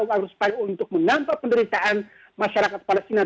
agar supaya untuk menampak penderitaan masyarakat palestina